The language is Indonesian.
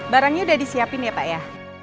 barangnya udah disiapin ya pak ya